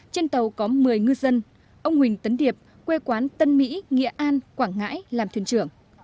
trên tàu có một mươi ngư dân ông huỳnh tấn điệp quê quán tân mỹ nghệ an quảng ngãi làm thuyền trưởng